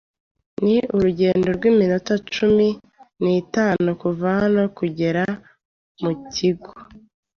Ni urugendo rw'iminota cumi n'itanu kuva hano kugera mu kigo.